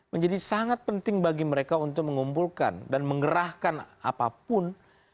menjadi sangat penting bagi mereka untuk mengumpulkan dan mengerahkan apapun